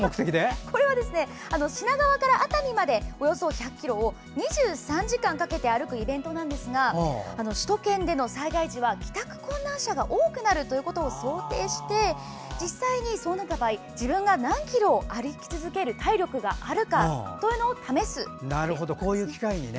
品川から熱海までおよそ１００ｋｍを２３時間かけて歩き抜くイベントなんですが首都圏での災害時は帰宅困難者が多くなることを想定して実際にそうなった場合自分が何キロ歩き続ける体力があるかを試すという。